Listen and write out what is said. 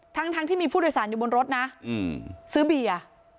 ทั้งทั้งที่มีผู้โดยสารอยู่บนรถนะอืมซื้อเบียร์อ๋อ